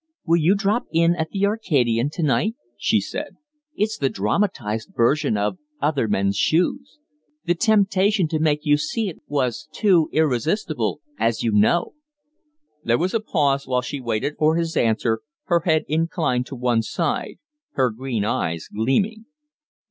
"Will you drop in at the 'Arcadian' to night?" she said. "It's the dramatized version of 'Other Men's Shoes!' The temptation to make you see it was too irresistible as you know." There was a pause while she waited for his answer her head inclined to one side, her green eyes gleaming.